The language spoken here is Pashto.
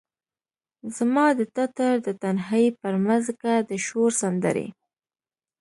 زما د ټټر د تنهایې پرمځکه د شور سندرې،